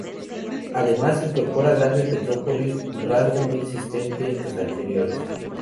Además, incorpora grandes metrópolis, rasgo no existente en los anteriores.